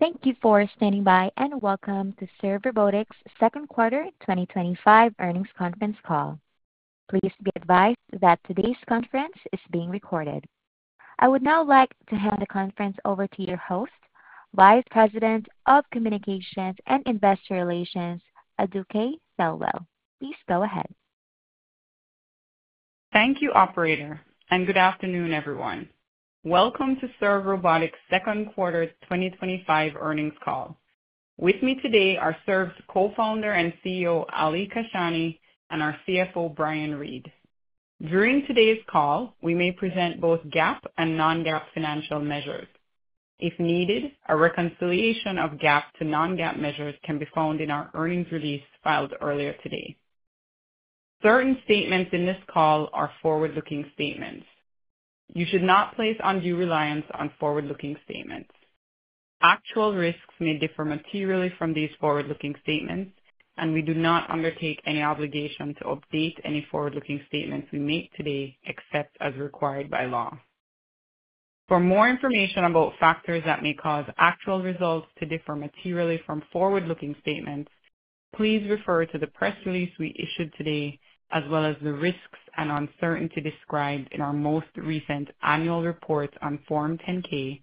Thank you for standing by and welcome to Serve Robotics' second quarter 2025 earnings conference call. Please be advised that today's conference is being recorded. I would now like to hand the conference over to your host, Vice President of Communications and Investor Relations, Aduke Thelwell. Please go ahead. Thank you, Operator, and good afternoon, everyone. Welcome to Serve Robotics' second quarter 2025 earnings call. With me today are Serve's Co-Founder and CEO, Ali Kashani, and our CFO, Brian Reed. During today's call, we may present both GAAP and non-GAAP financial measures. If needed, a reconciliation of GAAP to non-GAAP measures can be found in our earnings release filed earlier today. Certain statements in this call are forward-looking statements. You should not place undue reliance on forward-looking statements. Actual risks may differ materially from these forward-looking statements, and we do not undertake any obligation to update any forward-looking statements we make today except as required by law. For more information about factors that may cause actual results to differ materially from forward-looking statements, please refer to the press release we issued today, as well as the risks and uncertainty described in our most recent annual reports on Form 10-K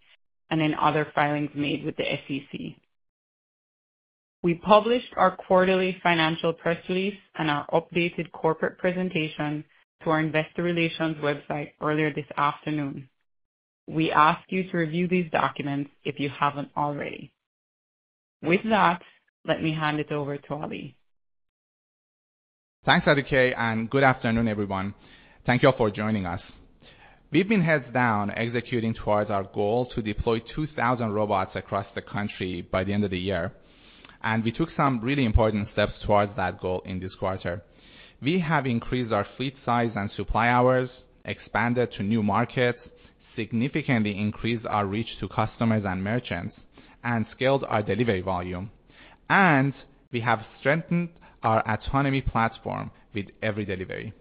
and in other filings made with the SEC. We published our quarterly financial press release and our updated corporate presentation to our investor relations website earlier this afternoon. We ask you to review these documents if you haven't already. With that, let me hand it over to Ali. Thanks, Aduke, and good afternoon, everyone. Thank you all for joining us. We've been heads down executing towards our goal to deploy 2,000 robots across the country by the end of the year, and we took some really important steps towards that goal in this quarter. We have increased our fleet size and supply hours, expanded to new markets, significantly increased our reach to customers and merchants, and scaled our delivery volume. We have strengthened our autonomy platform with every delivery.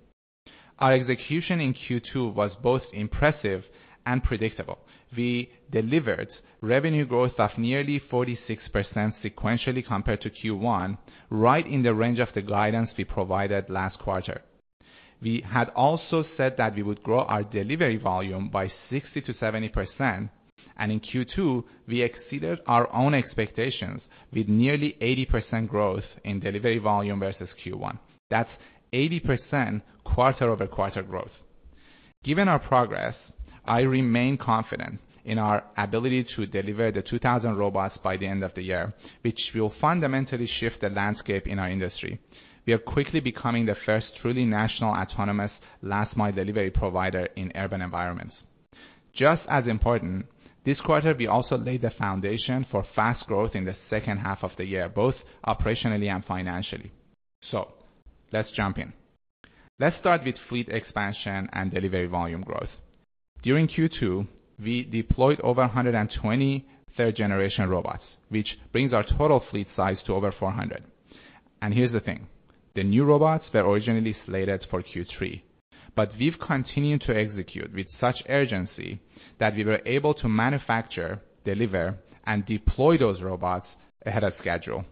Our execution in Q2 was both impressive and predictable. We delivered revenue growth of nearly 46% sequentially compared to Q1, right in the range of the guidance we provided last quarter. We had also said that we would grow our delivery volume by 60%-70%, and in Q2, we exceeded our own expectations with nearly 80% growth in delivery volume versus Q1. That's 80% quarter-over-quarter growth. Given our progress, I remain confident in our ability to deliver the 2,000 robots by the end of the year, which will fundamentally shift the landscape in our industry. We are quickly becoming the first truly national autonomous last-mile delivery provider in urban environments. Just as important, this quarter, we also laid the foundation for fast growth in the second half of the year, both operationally and financially. Let's jump in. Let's start with fleet expansion and delivery volume growth. During Q2, we deployed over 120 generation robots, which brings our total fleet size to over 400. Here's the thing: the new robots were originally slated for Q3, but we've continued to execute with such urgency that we were able to manufacture, deliver, and deploy those robots ahead of schedule.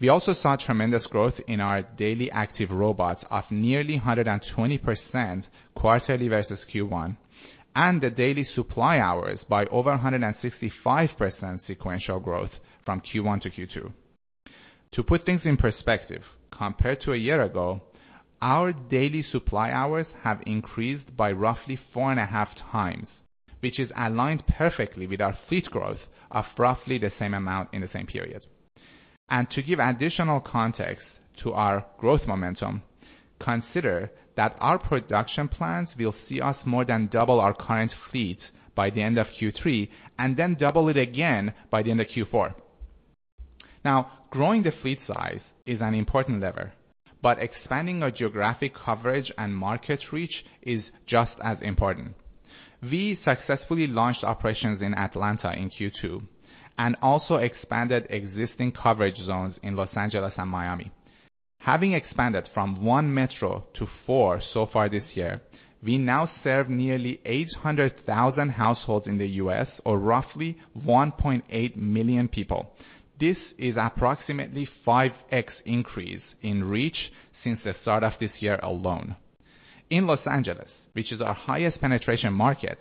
We also saw tremendous growth in our daily active robots of nearly 120% quarterly versus Q1, and the daily supply hours by over 165% sequential growth from Q1 to Q2. To put things in perspective, compared to a year ago, our daily supply hours have increased by roughly 4.5x which is aligned perfectly with our fleet growth of roughly the same amount in the same period. To give additional context to our growth momentum, consider that our production plans will see us more than double our current fleet by the end of Q3, and then double it again by the end of Q4. Growing the fleet size is an important lever, but expanding our geographic coverage and market reach is just as important. We successfully launched operations in Atlanta in Q2 and also expanded existing coverage zones in Los Angeles and Miami. Having expanded from one metro to four so far this year, we now serve nearly 800,000 households in the U.S., or roughly 1.8 million people. This is approximately a 5x increase in reach since the start of this year alone. In Los Angeles, which is our highest penetration market,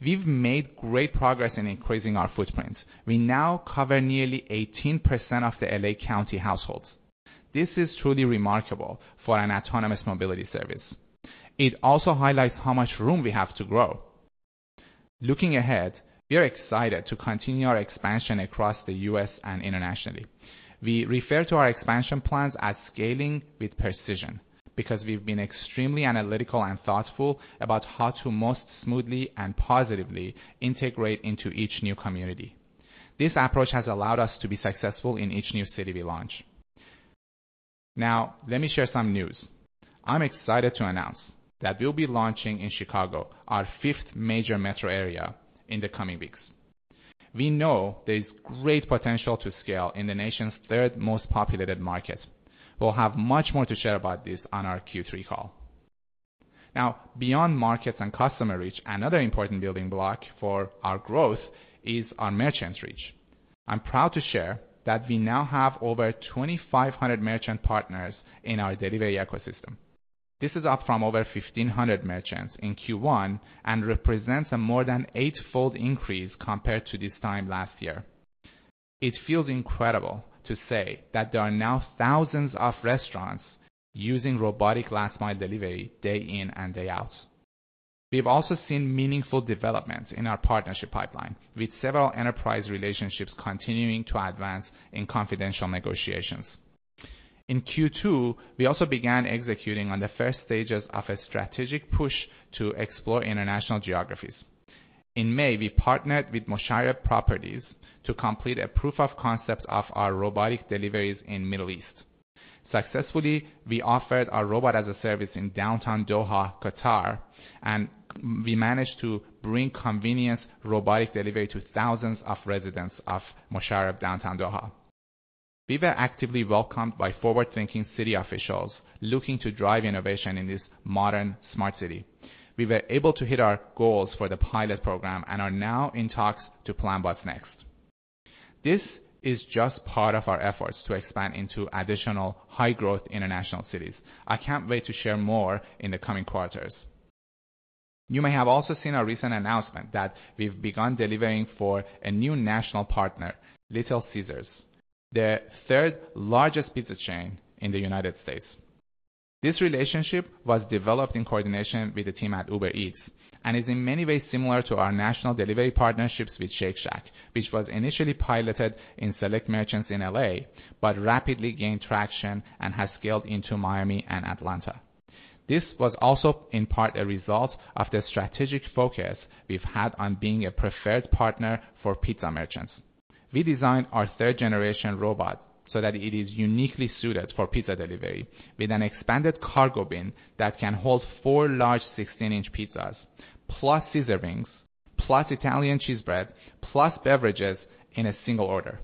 we've made great progress in increasing our footprint. We now cover nearly 18% of the LA County households. This is truly remarkable for an autonomous mobility service. It also highlights how much room we have to grow. Looking ahead, we are excited to continue our expansion across the U.S. and internationally. We refer to our expansion plans as scaling with precision because we've been extremely analytical and thoughtful about how to most smoothly and positively integrate into each new community. This approach has allowed us to be successful in each new city we launch. Now, let me share some news. I'm excited to announce that we'll be launching in Chicago, our fifth major metro area, in the coming weeks. We know there's great potential to scale in the nation's third most populated market. We'll have much more to share about this on our Q3 call. Now, beyond markets and customer reach, another important building block for our growth is our merchant reach. I'm proud to share that we now have over 2,500 merchant partners in our delivery ecosystem. This is up from over 1,500 merchants in Q1 and represents a more than eightfold increase compared to this time last year. It feels incredible to say that there are now thousands of restaurants using robotic last-mile delivery day in and day out. We've also seen meaningful developments in our partnership pipeline, with several enterprise relationships continuing to advance in confidential negotiations. In Q2, we also began executing on the first stages of a strategic push to explore international geographies. In May, we partnered with Msheireb Properties to complete a proof of concept of our robotic deliveries in the Middle East. Successfully, we offered our robot as a service in downtown Doha, Qatar, and we managed to bring convenience robotic delivery to thousands of residents of Msheireb Downtown Doha. We were actively welcomed by forward-thinking city officials looking to drive innovation in this modern smart city. We were able to hit our goals for the pilot program and are now in talks to plan what's next. This is just part of our efforts to expand into additional high-growth international cities. I can't wait to share more in the coming quarters. You may have also seen our recent announcement that we've begun delivering for a new national partner, Little Caesars, the third largest pizza chain in the United States. This relationship was developed in coordination with the team at Uber Eats and is in many ways similar to our national delivery partnerships with Shake Shack, which was initially piloted in select merchants in LA, but rapidly gained traction and has scaled into Miami and Atlanta. This was also in part a result of the strategic focus we've had on being a preferred partner for pizza merchants. We designed our generation robots so that it is uniquely suited for pizza delivery, with an expanded cargo bin that can hold four large 16-inch pizzas, plus Caesar rings, plus Italian cheese bread, plus beverages in a single order.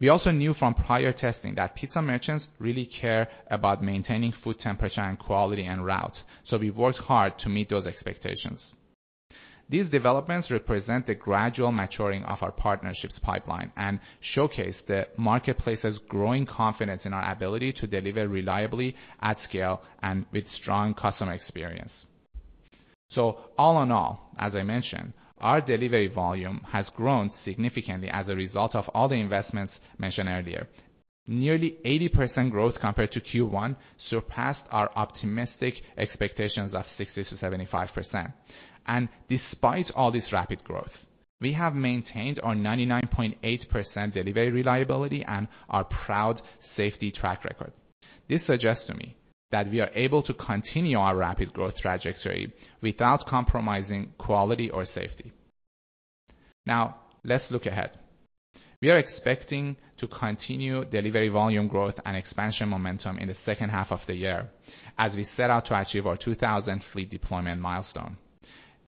We also knew from prior testing that pizza merchants really care about maintaining food temperature and quality en route, so we worked hard to meet those expectations. These developments represent the gradual maturing of our partnerships pipeline and showcase the marketplace's growing confidence in our ability to deliver reliably at scale and with strong customer experience. All in all, as I mentioned, our delivery volume has grown significantly as a result of all the investments mentioned earlier. Nearly 80% growth compared to Q1 surpassed our optimistic expectations of 60%-75%. Despite all this rapid growth, we have maintained our 99.8% delivery reliability and our proud safety track record. This suggests to me that we are able to continue our rapid growth trajectory without compromising quality or safety. Now, let's look ahead. We are expecting to continue delivery volume growth and expansion momentum in the second half of the year, as we set out to achieve our 2,000 fleet deployment milestone.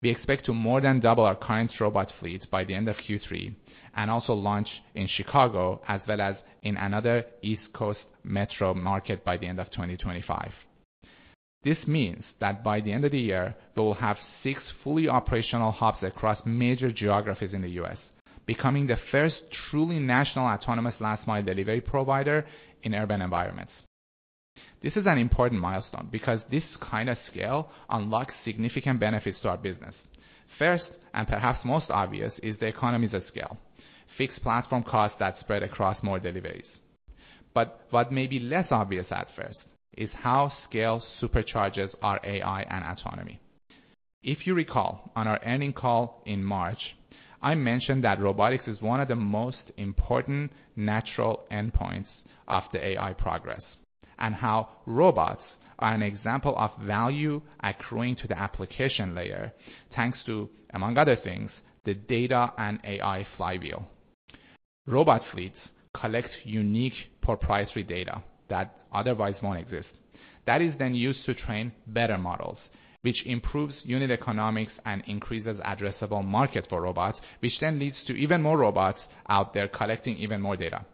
We expect to more than double our current robot fleet by the end of Q3 and also launch in Chicago, as well as in another East Coast metro market by the end of 2025. This means that by the end of the year, we will have six fully operational hubs across major geographies in the United States, becoming the first truly national autonomous last-mile delivery provider in urban environments. This is an important milestone because this kind of scale unlocks significant benefits to our business. First, and perhaps most obvious, is the economies of scale: fixed platform costs that spread across more deliveries. What may be less obvious at first is how scale supercharges our AI and autonomy. If you recall, on our earnings call in March, I mentioned that robotics is one of the most important natural endpoints of the AI progress and how robots are an example of value accruing to the application layer, thanks to, among other things, the data and AI flywheel. Robot fleets collect unique proprietary data that otherwise won't exist. That is then used to train better models, which improves unit economics and increases addressable market for robots, which then leads to even more robots out there collecting even more data.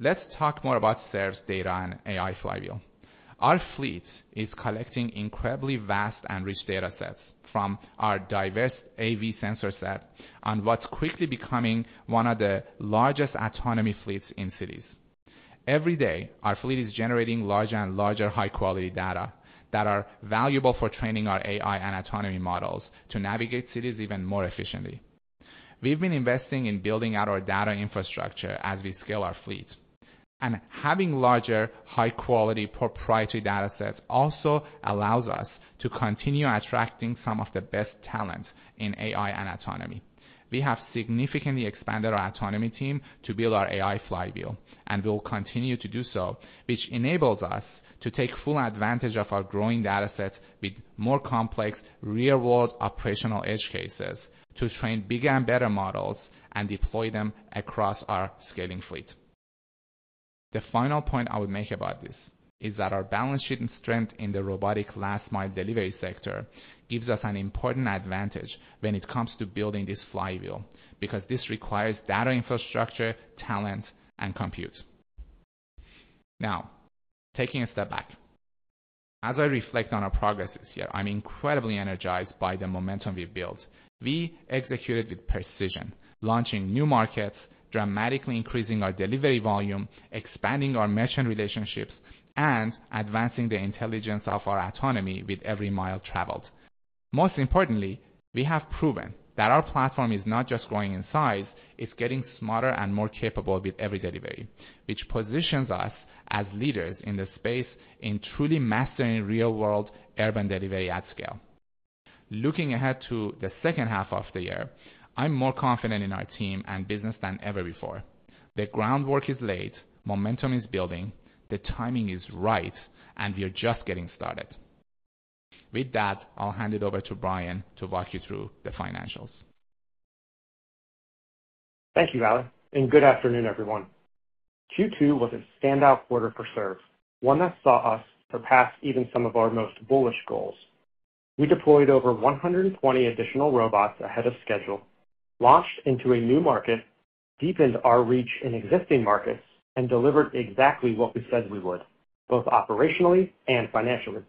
Let's talk more about Serve's data and AI flywheel. Our fleet is collecting incredibly vast and rich datasets from our diverse AV sensor set on what's quickly becoming one of the largest autonomy fleets in cities. Every day, our fleet is generating larger and larger high-quality data that are valuable for training our AI and autonomy models to navigate cities even more efficiently. We've been investing in building out our data infrastructure as we scale our fleet, and having larger, high-quality proprietary datasets also allows us to continue attracting some of the best talent in AI and autonomy. We have significantly expanded our autonomy team to build our AI flywheel, and we will continue to do so, which enables us to take full advantage of our growing datasets with more complex, real-world operational edge cases to train bigger and better models and deploy them across our scaling fleet. The final point I would make about this is that our balance sheet and strength in the autonomous last-mile delivery sector give us an important advantage when it comes to building this flywheel because this requires data infrastructure, talent, and compute. Now, taking a step back, as I reflect on our progress this year, I'm incredibly energized by the momentum we've built. We executed with precision, launching new markets, dramatically increasing our delivery volume, expanding our merchant relationships, and advancing the intelligence of our autonomy with every mile traveled. Most importantly, we have proven that our platform is not just growing in size; it's getting smarter and more capable with every delivery, which positions us as leaders in the space in truly mastering real-world urban delivery at scale. Looking ahead to the second half of the year, I'm more confident in our team and business than ever before. The groundwork is laid, momentum is building, the timing is right, and we are just getting started. With that, I'll hand it over to Brian to walk you through the financials. Thank you, Ali, and good afternoon, everyone. Q2 was a standout quarter for Serve, one that saw us surpass even some of our most bullish goals. We deployed over 120 additional robots ahead of schedule, launched into a new market, deepened our reach in existing markets, and delivered exactly what we said we would, both operationally and financially.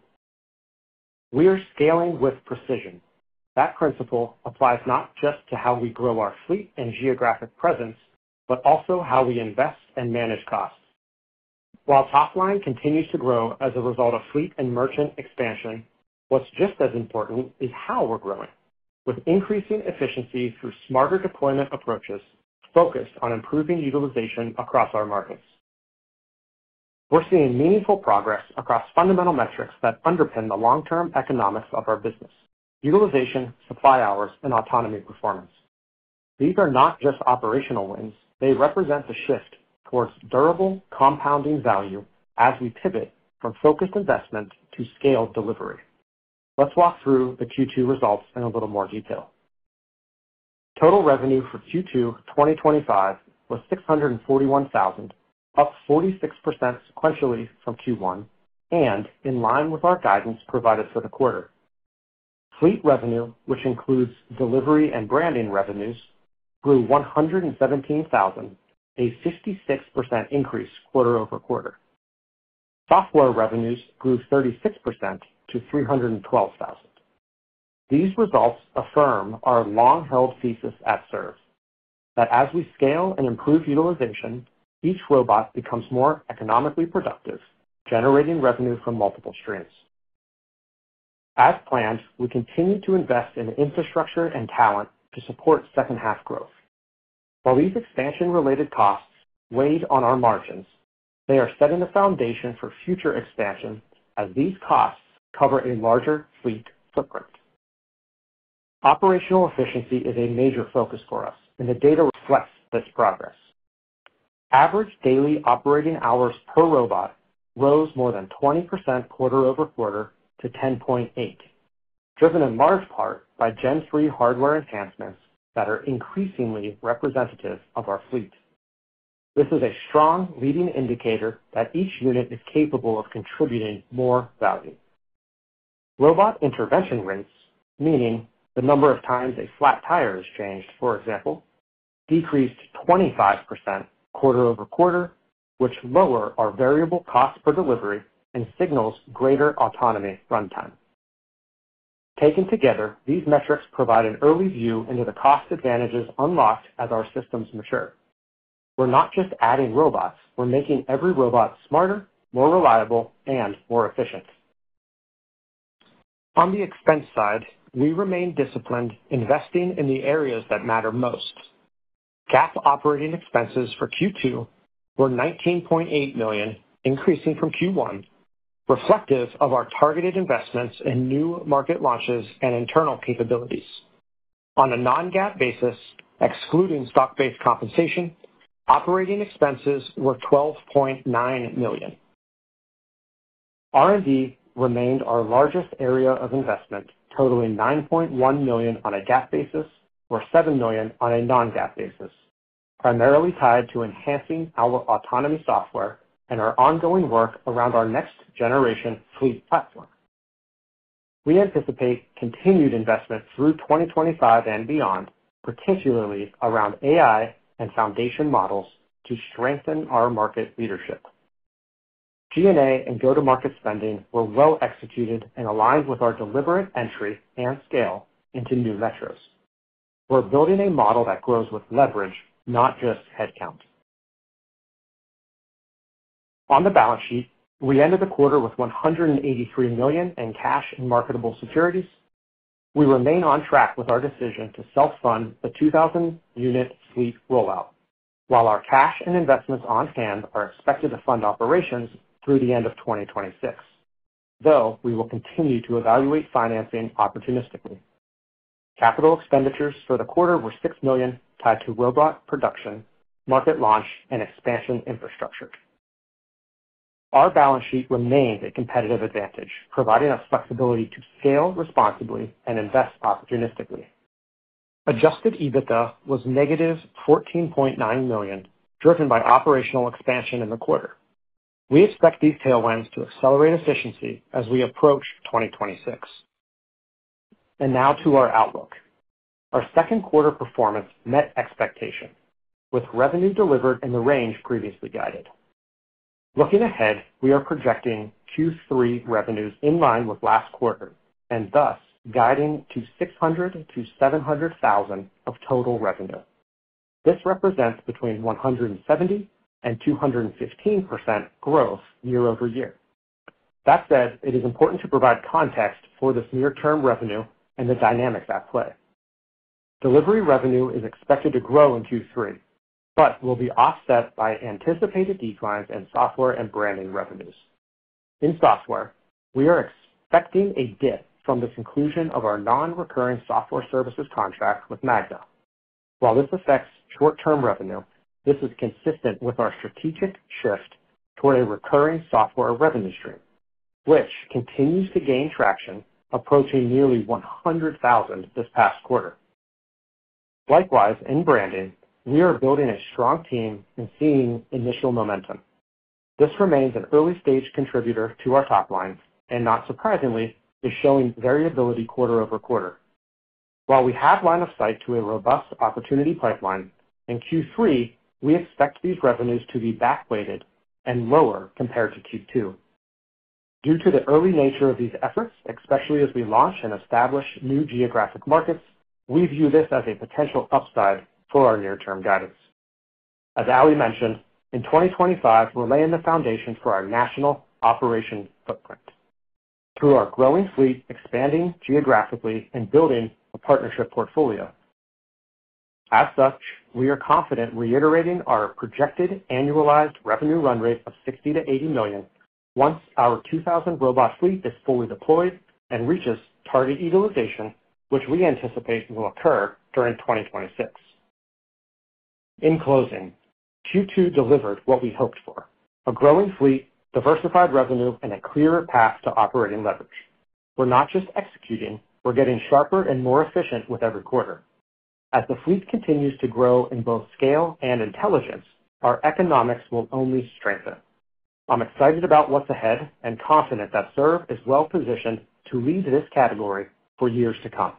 We are scaling with precision. That principle applies not just to how we grow our fleet and geographic presence, but also how we invest and manage costs. While top line continues to grow as a result of fleet and merchant expansion, what's just as important is how we're growing, with increasing efficiency through smarter deployment approaches focused on improving utilization across our markets. We're seeing meaningful progress across fundamental metrics that underpin the long-term economics of our business: utilization, supply hours, and autonomy performance. These are not just operational wins; they represent a shift towards durable compounding value as we pivot from focused investment to scaled delivery. Let's walk through the Q2 results in a little more detail. Total revenue for Q2 2025 was $641,000, up 46% sequentially from Q1, and in line with our guidance provided for the quarter. Fleet revenue, which includes delivery and branding revenues, grew $117,000, a 56% increase quarter-over-quarter. Software revenues grew 36% to $312,000. These results affirm our long-held thesis at Serve that as we scale and improve utilization, each robot becomes more economically productive, generating revenue from multiple streams. As planned, we continue to invest in infrastructure and talent to support second-half growth. While these expansion-related costs weighed on our margins, they are setting the foundation for future expansion as these costs cover a larger fleet footprint. Operational efficiency is a major focus for us, and the data reflects this progress. Average daily operating hours per robot rose more than 20% quarter-over-quarter to 10.8, driven in large part by Gen 3 hardware enhancements that are increasingly representative of our fleet. This is a strong leading indicator that each unit is capable of contributing more value. Robot intervention rates, meaning the number of times a flat tire is changed, for example, decreased 25% quarter-over-quarter, which lowers our variable cost per delivery and signals greater autonomy runtime. Taken together, these metrics provide an early view into the cost advantages unlocked as our systems mature. We're not just adding robots; we're making every robot smarter, more reliable, and more efficient. On the expense side, we remain disciplined, investing in the areas that matter most. GAAP operating expenses for Q2 were $19.8 million, increasing from Q1, reflective of our targeted investments in new market launches and internal capabilities. On a non-GAAP basis, excluding stock-based compensation, operating expenses were $12.9 million. R&D remained our largest area of investment, totaling $9.1 million on a GAAP basis or $7 million on a non-GAAP basis, primarily tied to enhancing our autonomy software and our ongoing work around our next-generation fleet platform. We anticipate continued investment through 2025 and beyond, particularly around AI and foundation models to strengthen our market leadership. G&A and go-to-market spending were well executed and aligned with our deliberate entry and scale into new metros. We're building a model that grows with leverage, not just headcount. On the balance sheet, we ended the quarter with $183 million in cash and marketable securities. We remain on track with our decision to self-fund the 2,000 unit fleet rollout, while our cash and investments on hand are expected to fund operations through the end of 2026, though we will continue to evaluate financing opportunistically. Capital expenditures for the quarter were $6 million, tied to robot production, market launch, and expansion infrastructure. Our balance sheet remained a competitive advantage, providing us flexibility to scale responsibly and invest opportunistically. Adjusted EBITDA was -$14.9 million, driven by operational expansion in the quarter. We expect these tailwinds to accelerate efficiency as we approach 2026. Now to our outlook. Our second quarter performance met expectation, with revenue delivered in the range previously guided. Looking ahead, we are projecting Q3 revenues in line with last quarter, and thus guiding to $600,000-$700,000 of total revenue. This represents between 170% and 215% growth year-over-year. That said, it is important to provide context for this near-term revenue and the dynamics at play. Delivery revenue is expected to grow in Q3 but will be offset by anticipated declines in software and branding revenues. In software, we are expecting a dip from the conclusion of our non-recurring software services contract with Magna. While this affects short-term revenue, this is consistent with our strategic shift toward a recurring software revenue stream, which continues to gain traction, approaching nearly $100,000 this past quarter. Likewise, in branding, we are building a strong team and seeing initial momentum. This remains an early-stage contributor to our top lines and, not surprisingly, is showing variability quarter-over-quarter. While we have line of sight to a robust opportunity pipeline, in Q3, we expect these revenues to be back-weighted and lower compared to Q2. Due to the early nature of these efforts, especially as we launch and establish new geographic markets, we view this as a potential upside for our near-term guidance. As Ali mentioned, in 2025, we're laying the foundation for our national operation footprint through our growing fleet, expanding geographically, and building a partnership portfolio. As such, we are confident reiterating our projected annualized revenue run rate of $60 million-$80 million once our 2,000 robot fleet is fully deployed and reaches target utilization, which we anticipate will occur during 2026. In closing, Q2 delivered what we hoped for: a growing fleet, diversified revenue, and a clearer path to operating leverage. We're not just executing; we're getting sharper and more efficient with every quarter. As the fleet continues to grow in both scale and intelligence, our economics will only strengthen. I'm excited about what's ahead and confident that Serve is well-positioned to lead this category for years to come.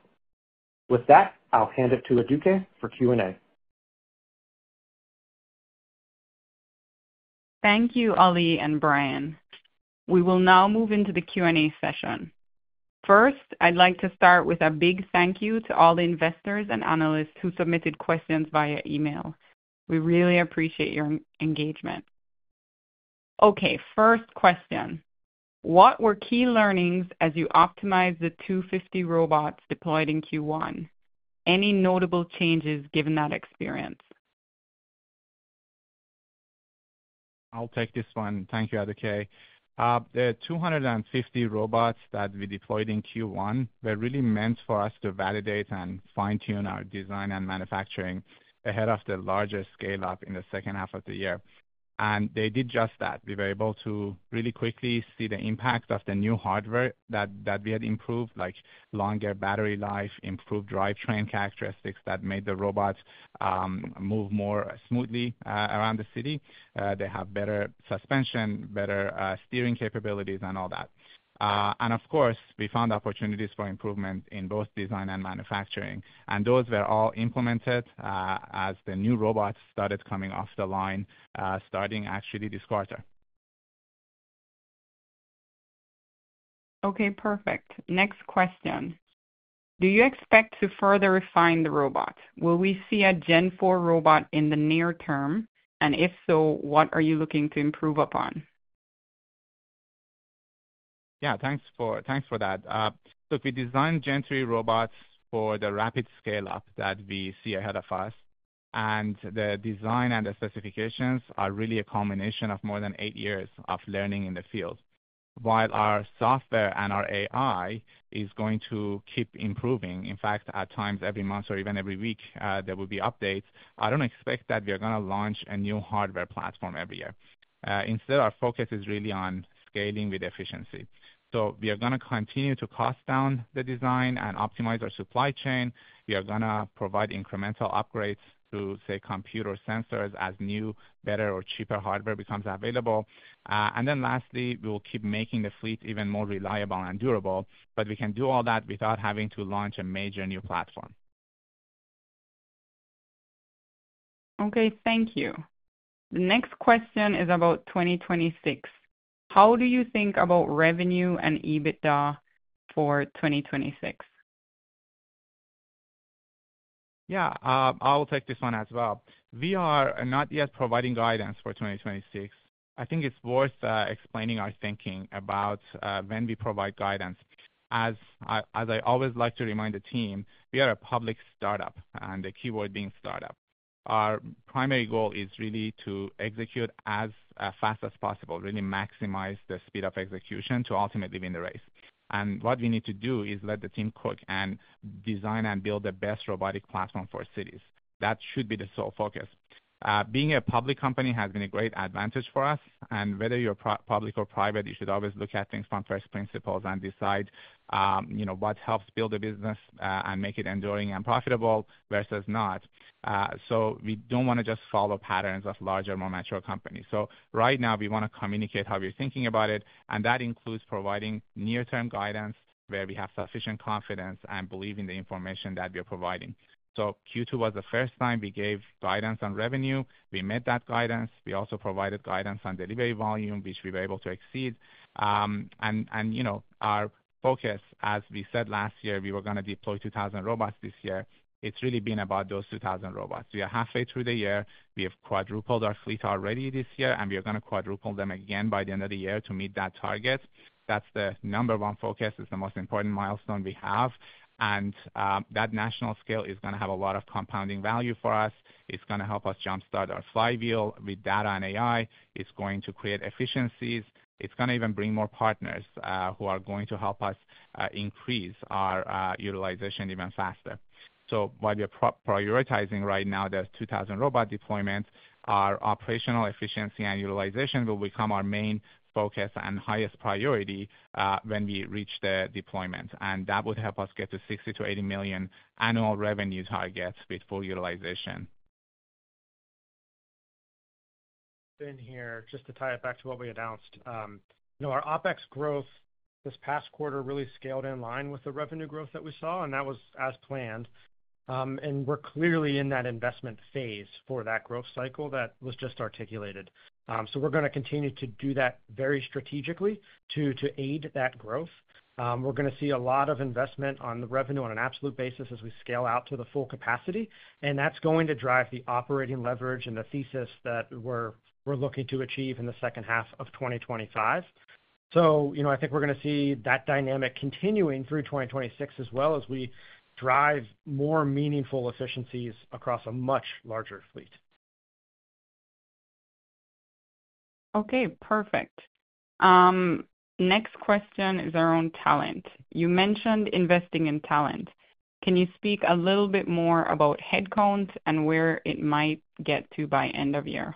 With that, I'll hand it to Aduke for Q&A. Thank you, Ali and Brian. We will now move into the Q&A session. First, I'd like to start with a big thank you to all the investors and analysts who submitted questions via email. We really appreciate your engagement. Okay, first question: What were key learnings as you optimized the 250 robots deployed in Q1? Any notable changes given that experience? I'll take this one. Thank you, Aduke. The 250 robots that we deployed in Q1 were really meant for us to validate and fine-tune our design and manufacturing ahead of the larger scale-up in the second half of the year. They did just that. We were able to really quickly see the impact of the new hardware that we had improved, like longer battery life, improved drivetrain characteristics that made the robots move more smoothly around the city. They have better suspension, better steering capabilities, and all that. We found opportunities for improvement in both design and manufacturing, and those were all implemented as the new robots started coming off the line, starting actually this quarter. Okay, perfect. Next question: Do you expect to further refine the robot? Will we see a Gen 4 robot in the near term? If so, what are you looking to improve upon? Yeah, thanks for that. Look, we designed Gen 3 robots for the rapid scale-up that we see ahead of us, and the design and the specifications are really a combination of more than eight years of learning in the field. While our software and our AI are going to keep improving, in fact, at times every month or even every week, there will be updates. I don't expect that we are going to launch a new hardware platform every year. Instead, our focus is really on scaling with efficiency. We are going to continue to cost down the design and optimize our supply chain. We are going to provide incremental upgrades to, say, computer sensors as new, better, or cheaper hardware becomes available. Lastly, we will keep making the fleet even more reliable and durable, but we can do all that without having to launch a major new platform. Okay, thank you. The next question is about 2026. How do you think about revenue and EBITDA for 2026? Yeah, I'll take this one as well. We are not yet providing guidance for 2026. I think it's worth explaining our thinking about when we provide guidance. As I always like to remind the team, we are a public startup, and the keyword being startup. Our primary goal is really to execute as fast as possible, really maximize the speed of execution to ultimately win the race. What we need to do is let the team cook and design and build the best robotic platform for cities. That should be the sole focus. Being a public company has been a great advantage for us, and whether you're public or private, you should always look at things from first principles and decide, you know, what helps build a business and make it enduring and profitable versus not. We don't want to just follow patterns of larger, more mature companies. Right now, we want to communicate how we're thinking about it, and that includes providing near-term guidance where we have sufficient confidence and believe in the information that we are providing. Q2 was the first time we gave guidance on revenue. We met that guidance. We also provided guidance on delivery volume, which we were able to exceed. Our focus, as we said last year, we were going to deploy 2,000 robots this year. It's really been about those 2,000 robots. We are halfway through the year. We have quadrupled our fleet already this year, and we are going to quadruple them again by the end of the year to meet that target. That's the number one focus. It's the most important milestone we have. That national scale is going to have a lot of compounding value for us. It's going to help us jumpstart our AI flywheel with data and AI capabilities. It's going to create efficiencies. It's going to even bring more partners who are going to help us increase our utilization even faster. While we are prioritizing right now the 2,000 robot deployment, our operational efficiency and utilization will become our main focus and highest priority when we reach the deployment. That would help us get to $60 million-$80 million annual revenue targets with full utilization. Just to tie it back to what we announced, you know, our OpEx growth this past quarter really scaled in line with the revenue growth that we saw, and that was as planned. We're clearly in that investment phase for that growth cycle that was just articulated. We're going to continue to do that very strategically to aid that growth. We're going to see a lot of investment on the revenue on an absolute basis as we scale out to the full capacity, and that's going to drive the operating leverage and the thesis that we're looking to achieve in the second half of 2025. I think we're going to see that dynamic continuing through 2026 as well as we drive more meaningful efficiencies across a much larger fleet. Okay, perfect. Next question is around talent. You mentioned investing in talent. Can you speak a little bit more about headcount and where it might get to by end of year?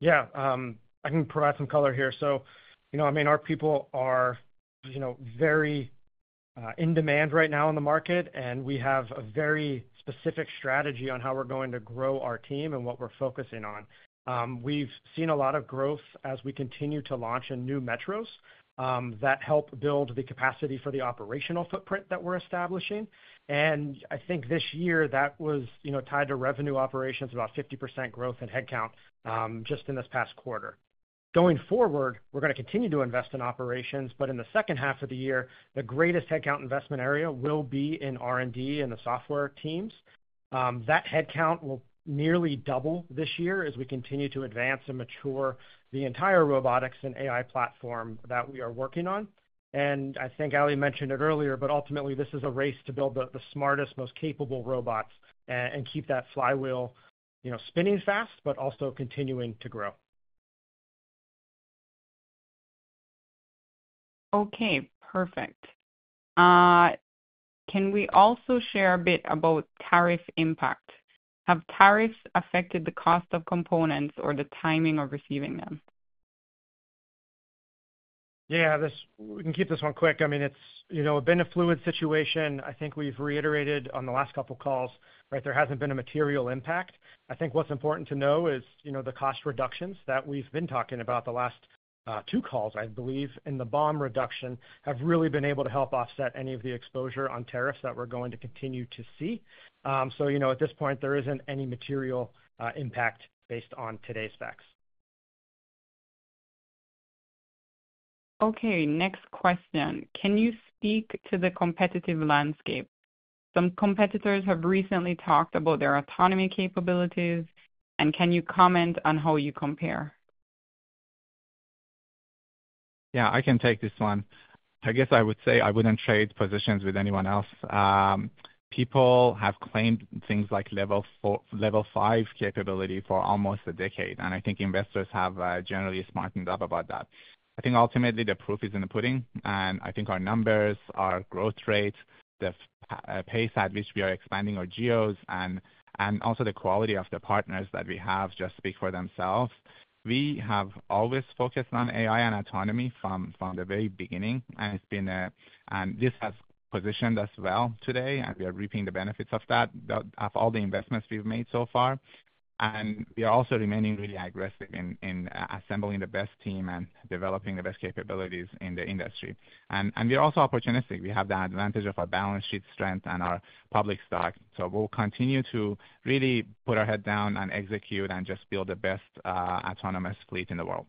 Yeah, I can provide some color here. Our people are very in demand right now in the market, and we have a very specific strategy on how we're going to grow our team and what we're focusing on. We've seen a lot of growth as we continue to launch in new metros that help build the capacity for the operational footprint that we're establishing. I think this year that was tied to revenue operations, about 50% growth in headcount just in this past quarter. Going forward, we're going to continue to invest in operations. In the second half of the year, the greatest headcount investment area will be in R&D and the software teams. That headcount will nearly double this year as we continue to advance and mature the entire robotics and AI platform that we are working on. I think Ali mentioned it earlier, but ultimately, this is a race to build the smartest, most capable robots and keep that AI flywheel spinning fast, also continuing to grow. Okay, perfect. Can we also share a bit about tariff impact? Have tariffs affected the cost of components or the timing of receiving them? We can keep this one quick. I mean, it's been a fluid situation. I think we've reiterated on the last couple of calls, right? There hasn't been a material impact. I think what's important to know is the cost reductions that we've been talking about the last two calls, I believe, and the BOM reduction have really been able to help offset any of the exposure on tariffs that we're going to continue to see. At this point, there isn't any material impact based on today's facts. Okay, next question. Can you speak to the competitive landscape? Some competitors have recently talked about their autonomy capabilities, and can you comment on how you compare? Yeah, I can take this one. I guess I would say I wouldn't trade positions with anyone else. People have claimed things like level five capability for almost a decade, and I think investors have generally smartened up about that. I think ultimately the proof is in the pudding, and I think our numbers, our growth rate, the pace at which we are expanding our geos, and also the quality of the partners that we have just speak for themselves. We have always focused on AI and autonomy from the very beginning, and it's been, and this has positioned us well today. We are reaping the benefits of that, of all the investments we've made so far. We are also remaining really aggressive in assembling the best team and developing the best capabilities in the industry. We are also opportunistic. We have the advantage of our balance sheet strength and our public stock. We'll continue to really put our head down and execute and just build the best autonomous fleet in the world.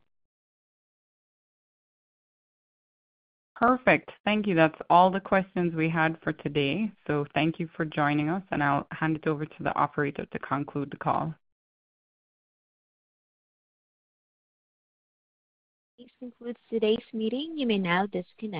Perfect. Thank you. That's all the questions we had for today. Thank you for joining us, and I'll hand it over to the operator to conclude the call. This concludes today's meeting. You may now disconnect.